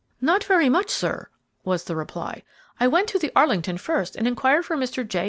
"Not very much, sir," was the reply. "I went to the Arlington first and inquired for Mr. J.